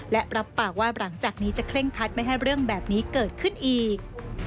และรับปากว่าหลังจากนี้จะเคร่งคัดไม่ให้เรื่องแบบนี้เกิดขึ้นอีก